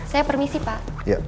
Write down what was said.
saya permisi pak